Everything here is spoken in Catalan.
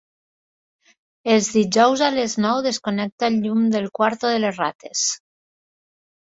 Els dijous a les nou desconnecta el llum del quarto de les rates.